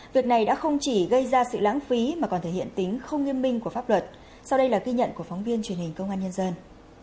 việc này đã không chỉ gây ra sự lãng phí mà còn thể hiện tính không nghiêm minh của pháp luật sau đây là ghi nhận của phóng viên truyền hình công an nhân dân